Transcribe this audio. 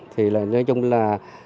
thì nói chung là